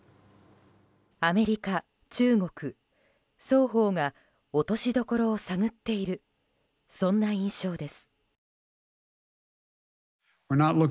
アメリカ、中国双方が落としどころを探っているそんな印象です。